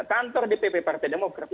kantor dpp partai demokrasi